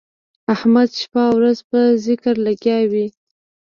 احمد شپه او ورځ په ذکر لګیا وي.